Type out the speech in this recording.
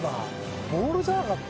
ボールじゃなかった？